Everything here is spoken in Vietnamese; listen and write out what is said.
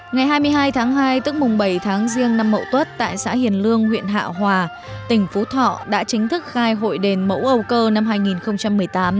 ngày hai mươi hai tháng hai tức mùng bảy tháng riêng năm mậu tuất tại xã hiền lương huyện hạ hòa tỉnh phú thọ đã chính thức khai hội đền mẫu âu cơ năm hai nghìn một mươi tám